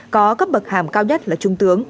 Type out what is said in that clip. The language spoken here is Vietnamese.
có cấp bậc hàm cao nhất là trung tướng